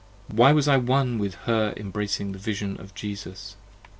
Why was I one with her embracing in the Vision of Jesus?